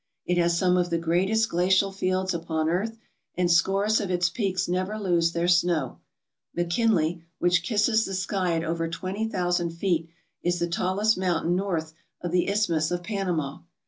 It has some of the greatest glacial fields upon earth, and scores of its peaks never lose their snow. McKinley, which kisses the sky at over twenty thousand feet, is the tallest mountain north of the Isthmus of Panama.